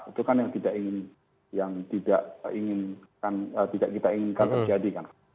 itu kan yang tidak kita inginkan terjadi kan